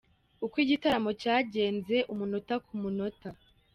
Uko igitaramo cyagenze umunota ku munota.